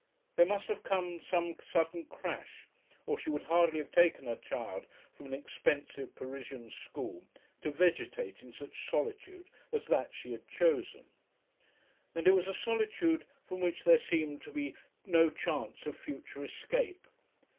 There must have come some sudden crash, or she would hardly have taken her child from an expensive Parisian school to vegetate in such solitude as that she had chosen. And it was a solitude from which there seemed to be no chance of future escape.